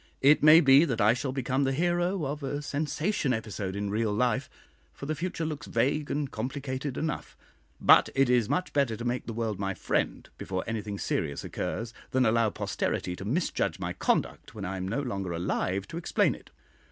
It may be that I shall become the hero of a sensation episode in real life, for the future looks vague and complicated enough; but it is much better to make the world my friend before anything serious occurs, than allow posterity to misjudge my conduct when I am no longer alive to explain it.